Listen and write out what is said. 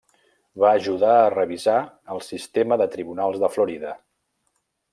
Va ajudar a revisar el sistema de tribunals de Florida.